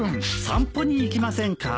散歩に行きませんか？